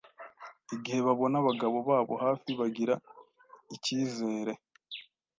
igihe babona abagabo babo hafi bagira icyizere,